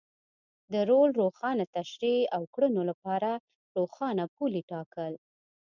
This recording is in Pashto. د رول روښانه تشرېح او کړنو لپاره روښانه پولې ټاکل.